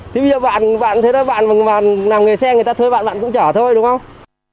thì bây giờ bạn thế đó bạn làm nghề xe người ta thuê bạn bạn cũng chở thôi đúng không